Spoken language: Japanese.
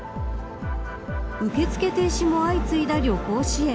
受け付け停止も相次いだ旅行支援